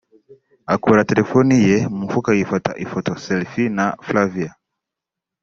akura telefoni ye mu mufuka yifata ifoto (Selfie) na Flavia